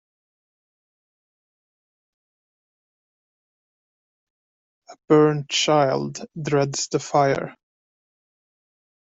A burnt child dreads the fire